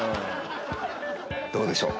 どうでしょう？